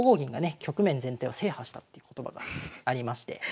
局面全体を制覇したっていう言葉がありまして。